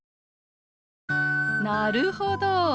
なるほど。